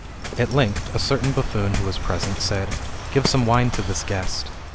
At length, a certain buffoon who was present, said, " Give some wine to this guest."